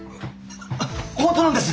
あっ本当なんです！